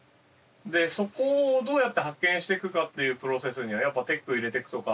そこをどうやって発見してくかっていうプロセスにはやっぱテック入れてくとか。